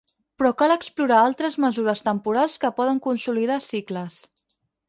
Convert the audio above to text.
Però cal explorar altres mesures temporals que poden consolidar cicles.